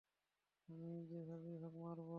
আমি যেভাবেই হোক হারবো।